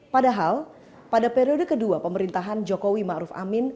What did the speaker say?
padahal pada periode kedua pemerintahan jokowi ma'ruf amin